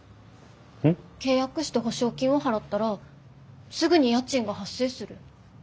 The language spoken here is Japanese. ん？契約して保証金を払ったらすぐに家賃が発生する。